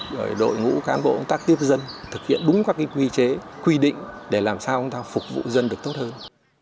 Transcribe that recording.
rồi đội ngũ cán bộ công tác tiếp dân thực hiện đúng các quy chế quy định để làm sao chúng ta phục vụ dân được tốt hơn